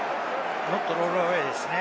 ノットロールアウェイですね。